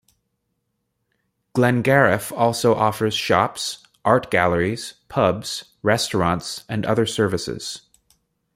Glengarriff also offers shops, art galleries, pubs, restaurants and other services.